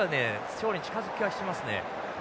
勝利に近づく気がしますね。